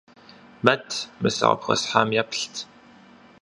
Мэт, мы сэ къыпхуэсхьам еплъыт.